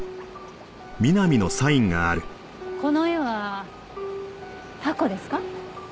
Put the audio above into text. この絵はタコですか？